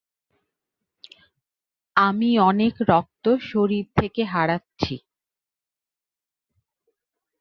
আমি অনেক রক্ত শরীর থেকে হারাচ্ছি।